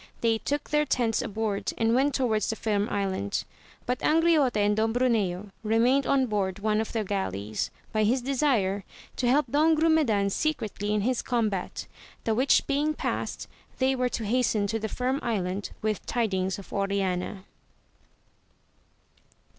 They took their tents aboard, and went towards the Firm Island. But Angriote and Don Bruneo remained on board one of the galleys, by his desire, to help Don Grumedan secretly in his combat, the which being past, they were to hasten to the Firm Island with tidings of Oriana.